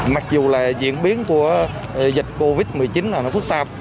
mặc dù là diễn biến của dịch covid một mươi chín là nó phức tạp